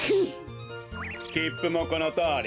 きっぷもこのとおり！